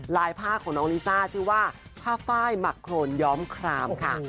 ผ้าของน้องลิซ่าชื่อว่าผ้าไฟล์หมักโครนย้อมครามค่ะ